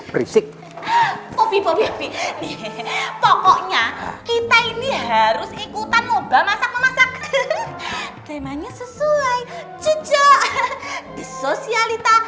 popi popi pokoknya kita ini harus ikutan umba masak memasak temanya sesuai jujur sosialita